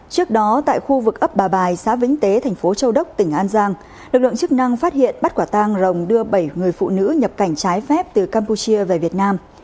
trước đó tại khu vực ấp bà bài xã vĩnh tế thành phố châu đốc tỉnh an giang lực lượng chức năng phát hiện bắt quả tang rồng đưa bảy người phụ nữ nhập cảnh trái phép từ campuchia về việt nam